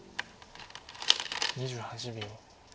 ２８秒。